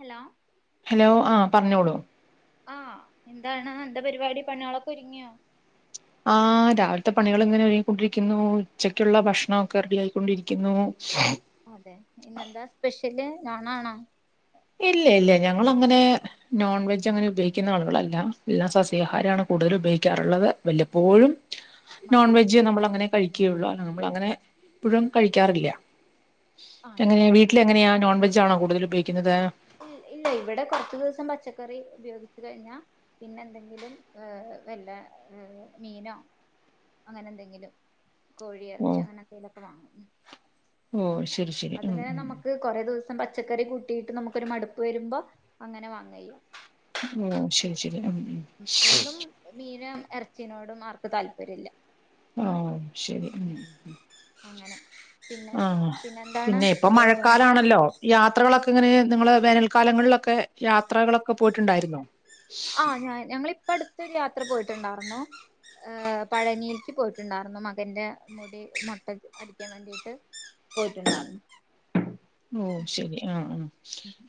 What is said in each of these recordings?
Hello hello ആ പറഞ്ഞോളൂ ആ എന്താണ് എന്താ പരിപാടി പണികളൊക്കെ ഒരുങ്ങിയോ ആ രാവിലത്തെ പണികൾ ഇങ്ങനെ ഒരുങ്ങിക്കൊണ്ടിരിക്കുന്നു ഉച്ചക്കുള്ള ഭക്ഷണൊക്കെ റെഡി ആയിക്കൊണ്ടിരിക്കുന്നു അതെ ഇന്നെന്താ സ്പെഷ്യല് നോനണോ ഇല്ല ഇല്ല ഞങ്ങള ങ്ങനെ നോൺ വെജ് അങ്ങനെ ഉപയോഗിക്കുന്ന ആളുകളല്ല എല്ലാം സസ്യാഹാരമാണ് കൂടുതൽ ഉപയോഗിക്കാറുള്ളത് വല്ലപ്പോഴും നോൺ മാത്രം വെജ് നമ്മൾ അങ്ങനെ കഴി ക്കുള്ള് നമ്മൾ അങ്ങനെ ഇ പുഴും കഴിക്കാറില്ല എങ്ങനെയ ആണല്ലേ വീട്ടില എങ്ങനെയാ നോൺവെജ് വെജാണോ കൂടുതലു കയ് ക്ന്നത് ഇല്ല ഇവിടെ കുറച്ചു ദിവസം പച്ചക്കറി ഉപയോഗിച്ചു കഴിഞ്ഞാ പിന്നെ എന്തെങ്കിലും ഏ വല്ല ർ മീനോ അങ്ങനെ എന്തെങ്കിലും ഓ കോഴിയറച്ചിയോ അങ്ങനന്തെലൊക്കെ വാങ്ങും ഓ ശരി ശരി ഉം ഇപ്പം പച്ചക്കറി കൂട്ടിട്ട് നമു ക്കൊരു മട്പ്പ് വരുമ്പം അങ്ങനെ വാങ്ങയ്യ ഓ ശരി ശരി ഉം ഉം എന്നും മീനാ എർച്ചിനോടും ആർക്കും താല്പര്യം ഇല്ല ആ ശരി ഉം അങ്ങനെ പിന്നെ ആ എന്താണ് പിന്നെ ഇപ്പം ഏ മഴക്കാലാണല്ലോ യാത്രകളൊ ഇങ്ങനെ നിങ്ങള് വേനൽക്കാലങ്ങളിലൊക്കെ യാത്രകളൊക്കെ പോയിട്ടുണ്ടായിരുന്നോ ആ ഞാൻ ഞങ്ങളിപ്പ അടുത്തരു യാ യാത്ര പോയിട്ടുണ്ടായിരുന്നു ഏർ പഴനിക്ക് പോയിട്ടുണ്ടായിരുന്നു മകന്റെ മുടി മുട്ട അടിക്കാൻ വേണ്ടിട്ട് പോയിട്ടുണ്ടായിരുന്നു ഓ ശരി ആ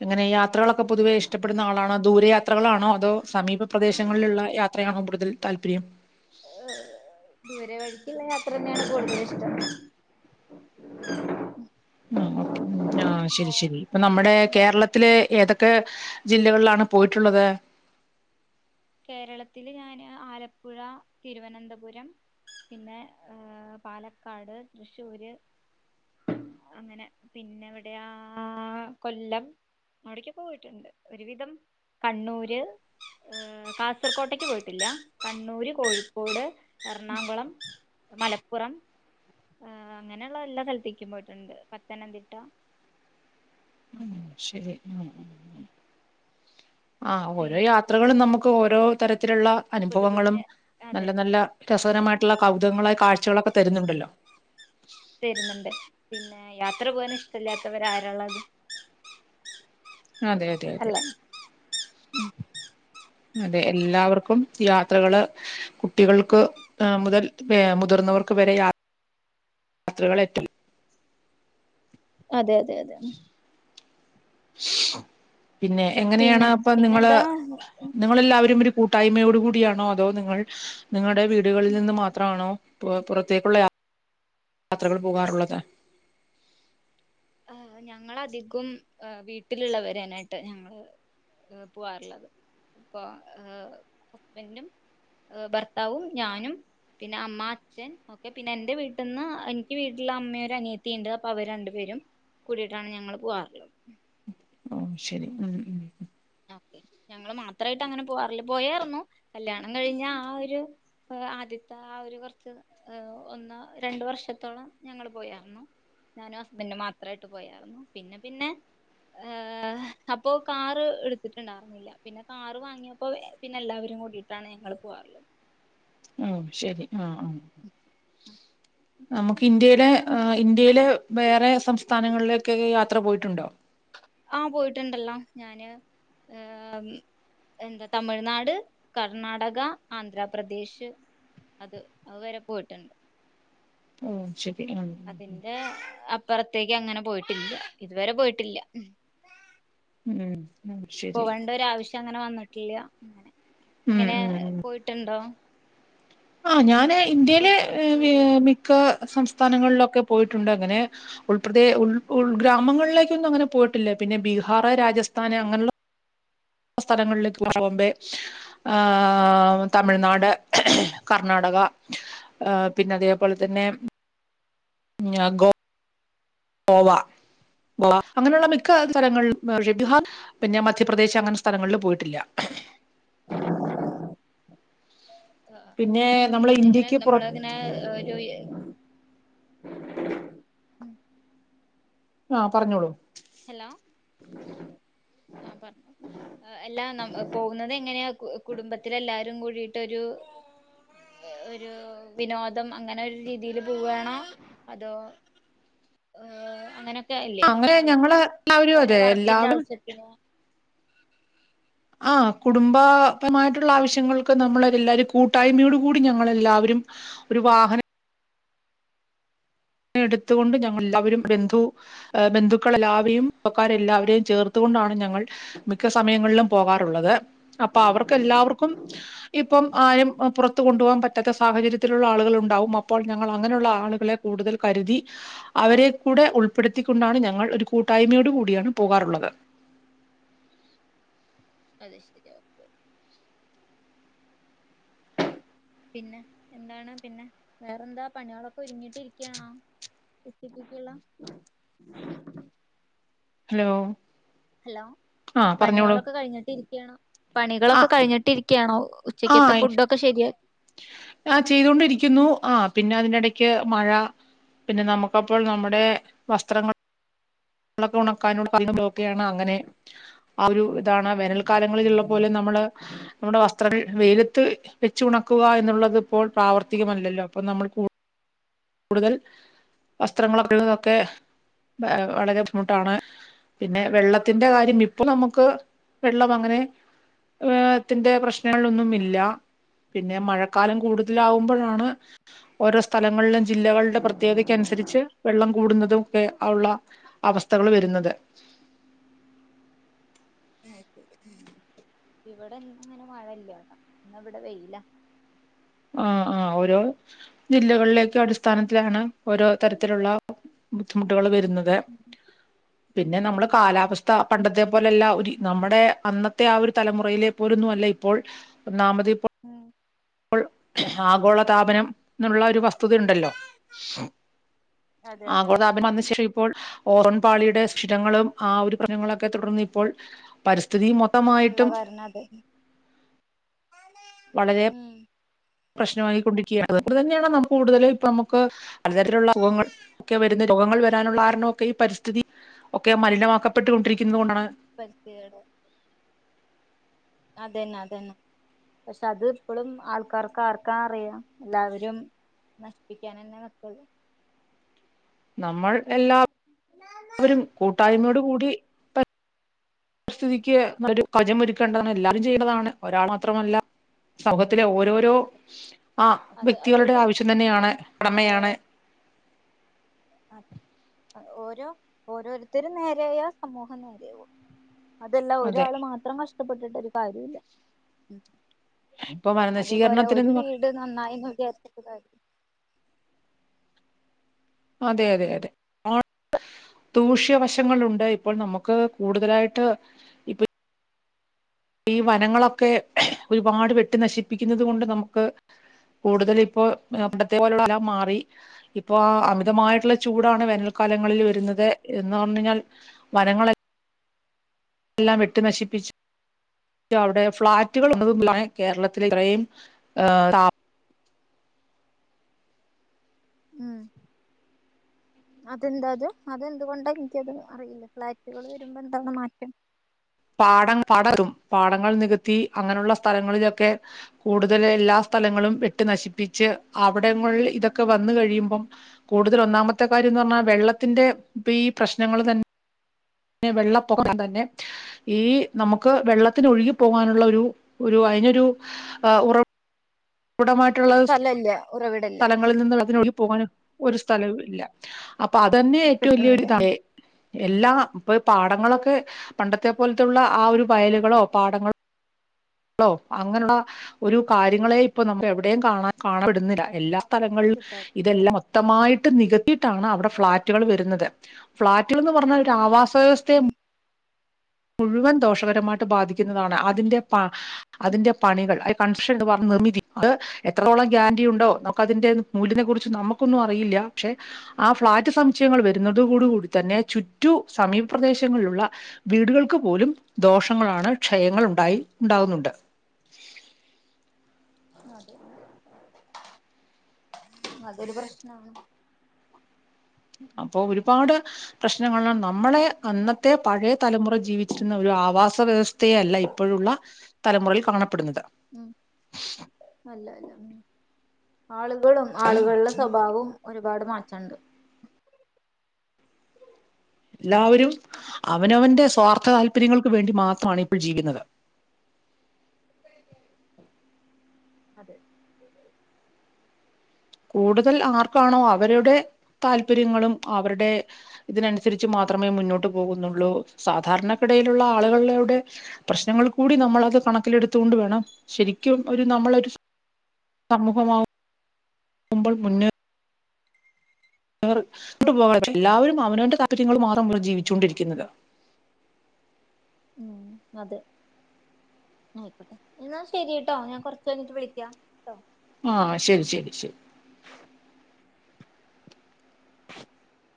അങ്ങനെ യാത്രകളൊക്കെ പൊതുവെ ഇഷ്ടപ്പെടുന്ന ആളാണൊ ദൂരെയാ ത്രകളാണോ അതോ സമീപ പ്രദേശങ്ങളിലുള്ള യാത്രയാണോ കൂടുതൽ താല്പര്യം ഏ ദൂ രെ വഴിക്കുള്ള യാത്ര തന്നെയാണ് കൂടുതല് ഇഷ്ടം ഉ ഓക്കെ ആ ശരി ശരി ഇപ്പം നമ്മുടെ അങ്ങനെ കേരളത്തിലെ ഏതൊക്കെ ജില്ലകളിലാണ് പോയിട്ടുള്ളത് കേരളത്തില് ഞാന് ആലപ്പുഴ തിരുവനന്തപുരം പിന്നെ ഏ പാലക്കാട് തൃശ്ശൂര് അങ്ങനെ പിന്നെവിടെയാ കൊല്ലം അവിടെക്കെ പോയിട്ടുണ്ട് ഒരുവിധം കണ്ണൂര് ഏ കാസർകോട്ടേക്ക് പോയിട്ടില്ല കണ്ണൂർ കോഴിക്കോട് എറണാകുളം മലപ്പുറം അങ്ങനെള്ള എല്ലാ സ്ഥലത്തീക്കും പോയിട്ടുണ്ട് പത്തനംതിട്ട ആ ശരി ഉം ഉം ഉം ആ ഓരോ പിന്നെ യാത്രകളും നമു ഓരോ തര ത്തിലുള്ള പുതു അനുഭവങ്ങളും. പുതിയ അതെ നല്ല നല്ല അതെ രസകരമായിട്ടുള്ള കൗതുകങ്ങളായ കാഴ്ചകളൊ തരുന്നുണ്ടല്ലോ. തരുന്നുണ്ട്, പിന്നെ യാത്ര പോകാൻ ഇഷ്ടല്ലാത്തവരാരാള്ളത്. അതെ അതെ അതെ. അതെ എല്ലാവർക്കും യാത്രകള് കുട്ടികൾക്ക്. ആ മുതൽ വേ മുതിർന്നവർക്ക് വരെ യാ യാത്രകള് [unintelligible] അതെ അതെ അതെ. പിന്നെ എങ്ങനെയാണ് പിന്നെ അപ്പ നിങ്ങള് പിന്നെന്താ നിങ്ങല്ലാവരും ഒരു കൂട്ടായ്മയോട് കൂടിയാണോ അതോ നിങ്ങൾ നിങ്ങ ളുടെ വീടുകളിൽ നിന്ന് മാത്രാണോ. പു പുറത്തേക്കുള്ള യാത്രകൾ പോകാറുള്ളത്? ആഹ് ഞങ്ങള് അധികം വീട്ടിലുള്ളവരെന്നായിട്ട് ഞങ്ങള് പോവാറുള്ളത്. അപ്പ ആഹ് ഹസ്ബൻഡും, ഭർത്താവും, ഞാനും പിന്നെ അമ്മ, അച്ഛൻ ഒക്കെ പിന്നെ എന്റെ വീട്ടിന്ന് എനിക്ക് വീട്ടില് അമ്മയൊര് അനിയത്തിയിണ്ട് അപ്പൊ അവര് രണ്ടുപേരും. കൂടിയിട്ടാണ് ഞങ്ങള് പോവാറിള്ളത്. ഓ ശരി ഉം ഉം ഞങ്ങള് മാത്രായിട്ട് അങ്ങനെ പോകാറില്ല. പോയാറുന്നു കല്യാണം കഴിഞ്ഞ ആ ഒരു ആദ്യത്തെ ആ ഒരു കുറച്ച് ആഹ് ഒന്ന് രണ്ട്. വർഷത്തോളം ഞങ്ങള് പോയാരുന്നു. ഞാനും ഹസ്ബൻഡും മാത്രായിട്ട് പോയാറുന്നു. പിന്നെ പിന്നെ ആഹ് അപ്പോ കാറ് എടു ത്തിട്ടെണ്ടായിരുന്നില്ല പിന്നെ കാറ് വാങ്ങിയപ്പോ പിന്നെ എല്ലാവരും കൂടിട്ടാണ്. ഞങ്ങള് പോകാറിള്ളത്‌ ഉം ശരി. ആഹ് ആഹ് നമുക്ക് ഇന്ത്യയിലെ ഇന്ത്യയിലെ വേറെ സംസ്ഥാനങ്ങളിലൊക്കെ യാത്ര പോയിട്ടുണ്ടോ ആ പോയിട്ടുണ്ടല്ലോ ഞാന്, ഏഹ് എന്താ തമിഴ്നാട്, കർണാടക, ആന്ധ്രാപ്രദേശ്, അത് അതു വരെ പോയിട്ടുണ്ട് മ് ശരി ഉം അതിന്റെ അ പുറത്തേക്ക് അങ്ങനെ പോയിട്ടില്ല ഇതുവരെ പോയിട്ടില്ല ഉം ഉം ശരി പോവേണ്ട ഒരു ആവശ്യം അങ്ങനെ വന്നിട്ടില്ല ഉം ഇങ്ങനെ ഉം ഉം പോയിട്ടുണ്ടോ ആഹ് ഞാന് ഇന്ത്യയിലെ പുറത്ത് ദൂര മിക്ക സംസ്ഥാനങ്ങളിലൊക്കെ പോയിട്ട് ട്ടുണ്ട് അങ്ങനെ ഉൾ അതെ ഉൾ ഉൾ ഉം ഗ്രാമങ്ങളില ഒന്നും അങ്ങനെ പോയിട്ടില്ല പിന്നെ ബീഹാർ, രാജസ്ഥാന് അങ്ങനുള്ള സ്ഥലങ്ങളിലേക്ക് പോണമുമ്പേ ആ. ആ ഉം തമിഴ്നാട്. കർണാടക ഏഹ് പിന്നെ അതേപോലെ ഉം തന്നെ ഞാ ഗോ ഗോവാ ഗ്വാ ആഹ് അങ്ങനെയുള്ള മിക്ക സ്ഥലങ്ങളിലും ഷഡിഹാർ പിന്നെ മധ്യപ്രദേശ് അങ്ങനെ സ്ഥലങ്ങളിൽ പോയിട്ടില്ല. ആ ആഹ് പിന്നെ നമ്മളെ എങ്ങനെ ഇന്ത്യക്ക് പുറ നമ്മളങ്ങനെ ഒരു ഉം ആഹ് പറഞ്ഞോളൂ. ഹലോ ആ പറഞ്ഞു എല്ലാ ന പോകുന്നത് എങ്ങനെയാ കു കുടുംബത്തില എല്ലാരും കൂടിട്ടൊരു ഒരു വിനോദം അങ്ങനെ ഒരു രീതിൽ പോവാണോ അതോ ഏഹ് അങ്ങനെ അല്ലേ അങ്ങനെ ഏഹ് ഞങ്ങള് എല്ലാവരും ഓരോ അതെ വർക്കിന്റെ എല്ലാവരും ആവശ്യത്തിന് ആ കുടുംബപമായിട്ടുള്ള ആവശ്യങ്ങൾക്ക് നമ്മളൊരു എല്ലാരും കൂട്ടായ്മയോട് കൂടി ഞങ്ങളെല്ലാവരും ഒരു വാഹനം എടുത്തുകൊണ്ട് ഞങ്ങ അവരും ബന്ധു ബന്ധുക്കൾ എല്ലാവരെയും പക്കാരെല്ലാവരെയും ചേർത്തു കൊണ്ടാണ് ഞങ്ങൾ മിക്ക സമയങ്ങളിലും പോകാറുള്ളത് അപ്പൊ അവർക്ക് എല്ലാവർക്കും ഇപ്പം ആരും പുറത്ത് കൊണ്ടു പോകാൻ പറ്റാത്ത സാഹചര്യത്തിലുള്ള ആളുകളുണ്ടാവും അ അപ്പോൾ ഞങ്ങൾ അങ്ങനെയുള്ള ആളുകളെ കൂടുതൽ കരുതി അവരെ കൂടെ ഉൾപ്പെടുത്തിക്കൊണ്ടാണ് ഞങ്ങൾ ഒരു കൂട്ടായ്മയോട് കൂടിയാണ് പോകാറുള്ളത് അത് ശരിയാ ഓക്കെ പിന്നെ എന്താണ് പിന്നെ വേറെന്താ പണികളൊക്കെ ഒരുങ്ങിട്ടിരിക്കുകയാണോ ഉച്ചക്കത്തേയ്ക്കുള്ള ഹലോ ഹലോ ആഹ് പറഞ്ഞോളൂ പണികളൊക്കെ കഴിഞ്ഞിട്ട് ഇരി ക്യണോ പണികളൊക്കെ ആഹ് കഴിഞ്ഞിട്ടിരിക്യാണോ ഉച്ചക്കത്തെ ആഹ് ഫുഡൊക്കെ ശരിയ ആ ചെയ്തൊണ്ടിരിക്കുന്നു ആ പിന്നെ അതിനിടയ്ക്ക് മഴ പിന്നെ നമുക്കപ്പോൾ നമ്മുടെ വസ്ത്രങ്ങൾ ങ്ങളൊക്കെ ഉണക്കാനോട് പറഞ്ഞ പോക്കെയാണ് അങ്ങനെ ആ ഒരു ഇതാണ് വേനൽക്കാലങ്ങളിലുള്ള പോലെ നമ്മള് നമ്മുടെ വസ്ത്രം വെയിലത്ത് വെ ഉണക്കുക എന്നുള്ളതിപ്പോൾ പ്രാവർത്തികമല്ലല്ലോ അപ്പം നമ്മൾ കൂ കൂടുതൽ വസ്ത്രങ്ങളൊള്ളൊ തൊക്കെ വ വളരെ ബുദ്ധിമുട്ടാണ് പിന്നെ വെള്ളത്തിന്റെ കാര്യം ഇപ്പൊ നമുക്ക് വെള്ളം അങ്ങനെ ഏ വെള്ളത്തിന്റെ പ്രശ്നങ്ങളൊന്നും ഇല്ല പിന്നെ മഴക്കാലം കൂടുതലാകുമ്പോഴാണ് ഓരോ സ്ഥലങ്ങളിലും ജില്ലകളുടെ പ്രത്യേകതയ്ക്ക് അനുസരിച്ച് വെള്ളം കൂടുന്നതും ഒക്കെ ആ ഉള്ള അവസ്ഥകൾ വരുന്നത് ഇവിടെ ഇന്ന് അങ്ങനെ മഴല്ല ഇന്ന് ഇവിടെ വെയിലാ ആഹ് ആഹ് ഓരോ ജില്ലകളിലേക്കെ അടിസ്ഥാനത്തിലാണ് ഓരോ തരത്തിലുള്ള ബുദ്ധിമുട്ടുകള് വെ രുന്നത് ഉം പിന്നെ നമ്മള് ഉം കാലാവസ്ഥ പണ്ടത്തെ പോലല്ല ഒരു നമ്മുടെ അന്നത്തെ ആ ഒരു തലമുറയിലെ പോലൊന്നും അല്ല ഇപ്പോൾ ഒന്നാമതിപ്പോ അപ്പോൾ ആഗോള താപനം എന്നുള്ള ഒരു വസ് ഉണ്ടല്ലോ അതെ അതെ ആഗോള അതെ താപനം വന്നശേ ഇപ്പോൾ ഓറൻപാളിയുടെ സിരങ്ങളും ആ ഒരു പ്രശ്നങ്ങളൊക്കെ തുടർന്ന് ഇപ്പോൾ പ സ്ഥിതി ഉള്ള മൊത്തമായിട്ടും കാരണം അതെ വളരെ ഉം പ്രശ്നമായിക്കൊണ്ടിരിക്കുകയാണ് അത് തന്നെയാണ് നമ്മക്ക് കൂടുതല് ഇപ്പ നമുക്ക് പലതരത്തിലുള്ളങ്ങൾ ഒക്കെ വരുന്നത് രോഗങ്ങൾ വരാനുള്ള കാരണമൊക്കെ ഈ പരിസ്ഥിതി ഒക്കെ മലിനമാക്കപ്പെട്ടു കൊണ്ടിരിക്കുന്നുന്നത് കൊണ്ടാണ് [unintelligible] അതന്നെ അതന്നെ പക്ഷെ അത് ഇപ്പോഴും ആൾക്കാർക്ക് ആർക്കാ അറിയാം എല്ലാവരും നശിപ്പിക്കൻ തന്നെ നികുള്ളോ നമ്മൾ എല്ലാവ വരും കൂട്ടായ്മയോടും കൂടി പ സ്ഥിതിക്ക് ഒരു കവജ ഒരുക്കേണ്ടത എല്ലരും ചെയ്യേണ്ടതാണ് ഒരാൾ മാത്രമല്ല സർവ ത്തിലെ ഓരോരോ ആ അത് വ്യക്തികളുടെ അതിപ്പോ ആവശ്യം തന്നെയാണ് ഉടമയാണ് അത് ഓരോ ഓരോരുത്തരും നേരെയായോ സമൂഹം നേരയവും അതെല്ല അതെ ഒരാള് മാത്രം കഷ്ടപ്പെ ടപ്പെട്ടിട്ടു ഒരു കാര്യല്ല ഇപ്പൊ അതേപോലെ ഒരു വനനശീകരണത്തിനെന്ന് പറ വീട് നന്നായിന്ന് വിചാരിച്ചിട്ട് കാര്യമില്ല അതെ അതെ അതെ ആ ദൂഷ്യവശങ്ങളുണ്ട് ഇപ്പോൾ നമുക്ക് കൂടുതലായിട്ട് ഇപ്പൊ ഈ വനങ്ങളൊക്കെ ഒരുപാട് വെട്ടി നശിപ്പിക്കുന്നത് കൊണ്ട് നമുക്ക് കൂടുതൽ അ ഉം അവിത്തെ പോലുള്ള മ ഇപ്പോ അമിതമായിട്ടുള്ള ചൂടാണ് വേന കാലങ്ങളിൽ ഉം വരുന്നത് എ ന്ന് പറഞ്ഞ കഴിഞ്ഞാൽ വനങ്ങ എല്ലാം വട്ടു നശിപ്പിച്ചു അവിടെ ഫ്ളാറ്റുകൾതും കേരളത്തി ഇത്രയും [unintelligible] അതെന്താത് അതെന്തുകൊണ്ടാ എനിക്കത് അറിയില്ല ഫ്ലാറ്റുകൾ വരുമ്പോ എന്താണ് മാറ്റം പാടം [unintelligible] പാടങ്ങൾ നികത്തി അങ്ങനെയുള്ള സ്ഥലങ്ങളിലൊക്കെ കൂടുതൽ എല്ലാ സ്ഥലങ്ങളും വെട്ടി നശിപ്പിച്ച് അവിടങ്ങളിൽ ഇതൊക്കെ വന്ന കഴിയുമ്പം കൂടുതൽ ഒന്നാമത്തെ കാര്യന്ന് പറഞ്ഞാ വെള്ളത്തിന്റെ ഈ പ്രശ്നങ്ങൾ തന്നെ വെള്ളപ്പൊക്കം തന്നെ ഈ നമുക്ക് വെള്ളത്തിന് ഒഴുകി പോകാനുള്ള ഒരു ഒരു അതിനൊരു ഉറ വിടമായിട്ടുള്ള സ്ഥലല്ല ഉറവിടല്ല സ്ഥലങ്ങളിൽ നിന്ന് അതിന് ഒരു പോകൻ ഒരു സ്ഥലവും ഇല്ല അപ്പൊ അതന്നെയ ഏറ്റവും വല്യൊ കിട്ടണില്ല ഒരുക എല്ലാം ഇപ്പൊ പാടങ്ങളൊക്കെ പണ്ടത്തെ പോലത്തുള്ള ആ ഒരു വയലുകളോ പാടങ്ങളോ ആള്ളോ അങ്ങനെയുള്ള ഒരു കാര്യങ്ങളെ ഇപ്പൊ നമ്മ എവിടെയും കാണ കാണപ്പെടുന്നില്ല എല്ലാ സ്ഥലങ്ങളിൽ കിട്ടാൻ ഇതെല്ലാം മൊത്തമായിട്ട് നികത്തി ന്നിട്ടാണ് അവിടെ ഫ്ളാറ്റുകൾ വെരുന്നത് ഫ്ളാറ്റുകൾ എന്ന് പറഞ്ഞാൽ ഒരു ആവാസ വ്യവസ്തേം ഉം മുഴുവൻ ദോഷകരമായിട്ട് ബാധിക്കുന്നതാണ് അതിന്റെ പ അതിന്റെ പണികൾ കൺസെ ണ്ട്‌ പറ നിർമ്മിച്ചിട്ട് എത്രത്തോളം ഗ്യാരണ്ടി ഉണ്ടോ ഒക്കെ അതിന്റെ മൂല്യത്തെ കുറിച്ച് നമുക്കൊന്നും അറിയില്ല പക്ഷെ ആ ഫ്ളാറ്റ് സമുച്ചയങ്ങൾ വരുന്നടു അതുകൂടു കൂടി തന്നെ ചുറ്റു സമീപ പ്രദേശങ്ങളിലുള്ള വീടുകൾക്ക് പോലും ദോഷങ്ങളാണ് ക്ഷയങ്ങൾ ഉണ്ടായി ഉണ്ടാകുന്നുണ്ട് അതെ അതൊരു പ്രശ്നാണ് അപ്പൊ ഒരുപാട് പ്രശ്നങ്ങളുള്ള നമ്മളെ അന്നത്തെ പഴയ തലമുറ ജീവിച്ചിരുന്ന ഒരു ആവാസ വ്യവസ്ഥയേ അല്ല ഇപ്പഴുള്ള തലമുറയിൽ കാണപ്പെടുന്നത് ഉം അല്ല അല്ല ഉം ആളുകളും ആളുകളുടെ സ്വഭാവും ഒരുപാട് മാറ്റണ്ട് എല്ലാവരും അവനവന്റെ സ്വാർത്ഥ താല്പര്യങ്ങൾക്ക് വേണ്ടി മാത്രമാണ് ഇപ്പോൾ ജീവിന്നത് അതെ. കൂടുതൽ ആർക്കാണോ അവരുടെ താല്പര്യങ്ങളും അവരുടെ ഇതിനനുസരിച്ച് മാത്രമേ മുന്നോട്ട് പോകുന്നുള്ളൂ സാധാരണക്കിടയിലുള്ള ആളുകളുടെ പ്രശ്നങ്ങൾ കൂടി നമ്മളത് കണക്കിലെടുത്തു കൊണ്ട് വേണം ശരിക്കും ഒരു നമ്മളൊരു സമൂഹമാ [unintelligible] [unintelligible] കുമ്പോൾ മുന്നേ ഇർ [unintelligible] പക്ഷെ എല്ലാവരും അവനവന്റെ താല്പര്യങ്ങൾ മാത്രം [unintelligible] ജീവിച്ചോണ്ടിരിക്കുന്നത്. ഉം അതെ ആയിക്കോട്ടെ എന്നാ ശരി ട്ടോ ഞാൻ കൊറച്ച് കഴി ഞ്ഞിട്ട് വിളിക്കാം ട്ടോ. ആഹ്. ശരി ശരി ശരി